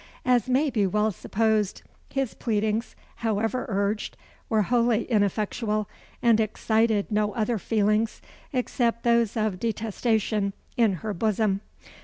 As may be well supposed, his pleadings, however urged, were wholly ineffectual, and excited no other feelings, except those of detestation, in her bosom.